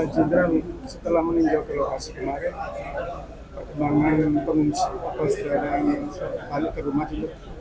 jenderal setelah meninjau ke lokasi kemarin perkembangan pengungsi atau saudara ingin balik ke rumah juga